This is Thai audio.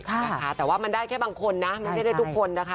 แต่ว่ามันได้แค่บางคนนะไม่ใช่ได้ทุกคนนะคะ